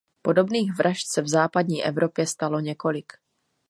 Podobných vražd se v západní Evropě stalo několik.